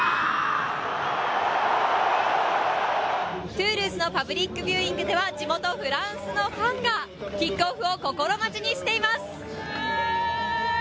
トゥールーズのパブリックビューイングでは、地元、フランスのファンがキックオフを心待ちにしています。